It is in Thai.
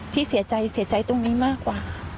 ที่เสียใจเสียใจตรงนี้มากกว่า